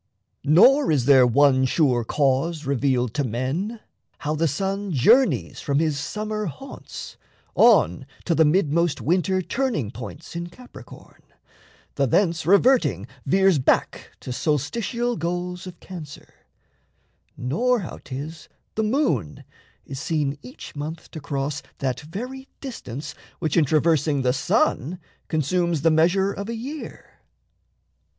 Nor is there one sure cause revealed to men How the sun journeys from his summer haunts On to the mid most winter turning points In Capricorn, the thence reverting veers Back to solstitial goals of Cancer; nor How 'tis the moon is seen each month to cross That very distance which in traversing The sun consumes the measure of a year.